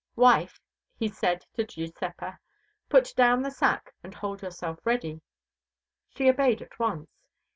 "Wife," said he to Giuseppa, "put down the sack and hold yourself ready." She obeyed at once.